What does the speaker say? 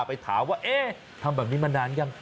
ไปถามว่าเอ๊ะทำแบบนี้มานานยัง